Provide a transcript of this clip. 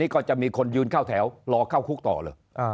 ก็จะมีคนยืนเข้าแถวรอเข้าคุกต่อเลย